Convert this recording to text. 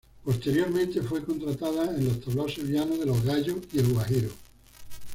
Posteriormente fue contratada en los tablaos sevillanos de Los Gallos y El Guajiro.